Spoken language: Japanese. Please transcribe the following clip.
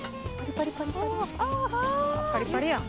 パリパリやん。